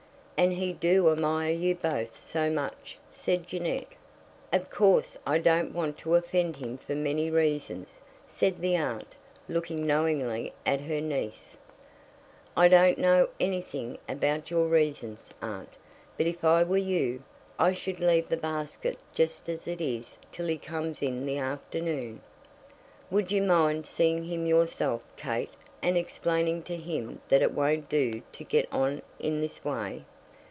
"And he do admire you both so much," said Jeannette. "Of course I don't want to offend him for many reasons," said the aunt, looking knowingly at her niece. "I don't know anything about your reasons, aunt, but if I were you, I should leave the basket just as it is till he comes in the afternoon." "Would you mind seeing him yourself, Kate, and explaining to him that it won't do to get on in this way.